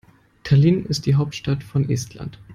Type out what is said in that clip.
Tallinn ist die Hauptstadt von Estland.